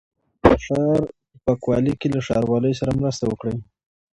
د ښار په پاکوالي کې له ښاروالۍ سره مرسته وکړئ.